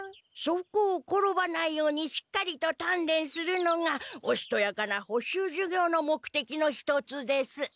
そこを転ばないようにしっかりと鍛錬するのが「おしとやかな補習授業」の目的の一つです。